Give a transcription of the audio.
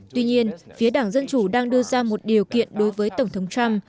tuy nhiên phía đảng dân chủ đang đưa ra một điều kiện đối với tổng thống trump